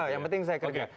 yang penting saya kerja